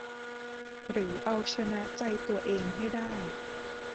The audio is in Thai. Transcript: หรือเอาชนะใจตัวเองให้ได้